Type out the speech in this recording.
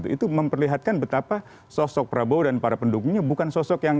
itu memperlihatkan betapa sosok prabowo dan para pendukungnya bukan sosok yang